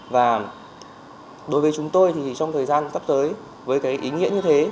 và đối với chúng tôi thì trong thời gian tấp tới với ý nghĩa như thế